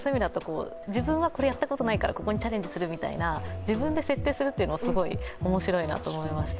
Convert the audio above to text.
自分はこれやったことないからこれにチャレンジするみたいな、自分で設定するというのがすごい面白いなと思いました。